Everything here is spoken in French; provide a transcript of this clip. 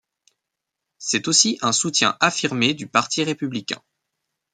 C'est aussi un soutien affirmé du Parti républicain.